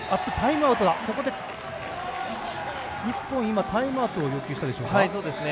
日本、タイムアウトを要求したでしょうか。